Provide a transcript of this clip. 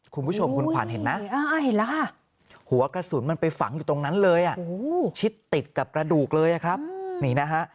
คุณผู้ชมคุณขวัญเห็นไหมหัวกระสุนมันไปฝังอยู่ตรงนั้นเลยชิดติดกับกระดูกเลยครับนี่นะฮะ